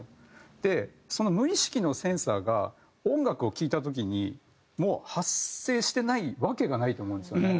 でその無意識のセンサーが音楽を聴いた時にも発生してないわけがないと思うんですよね。